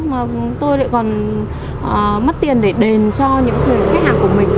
mà tôi lại còn mất tiền để đền cho những người khách hàng của mình